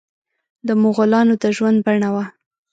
د مغولانو د ژوند بڼه وه.